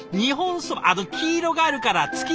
あっ黄色があるから月見そば？